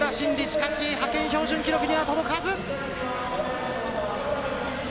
しかし、派遣標準記録には届かず。